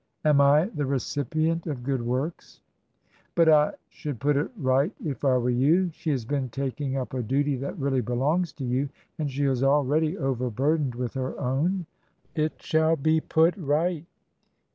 " Am I the recipient of good works ?"" But I should put it right if I were you. She has been taking up a duty that really belongs to you, and she is already overburdened with her own." " It shall be put right."